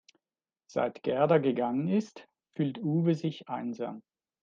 Seit Gerda gegangen ist, fühlt Uwe sich einsam.